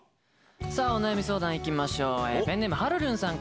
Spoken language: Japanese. お悩み相談行きましょう。